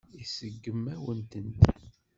Iseggem-awen-tent.